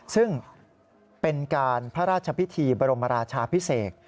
ซึ่งเป็นการพระราชพิธีบรมราชาพิเศษ